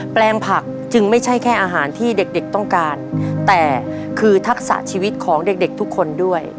แปลงผักจึงไม่ใช่แค่อาหารที่เด็กเด็กต้องการแต่คือทักษะชีวิตของเด็กเด็กทุกคนด้วย